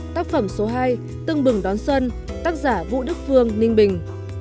tác phẩm số hai tưng bừng đón xuân tác giả vũ đức phương ninh bình